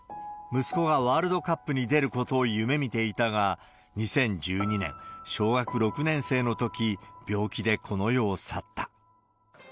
息子がワールドカップに出ることを夢みていたが、２０１２年、小学６年生のとき、病気でこの世を去った。